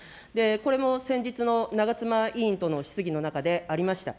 これも先日の長妻委員との質疑の中でありました。